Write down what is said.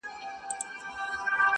سياسي نقد ته بيايي,